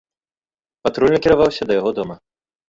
Патруль накіраваўся да яго дома.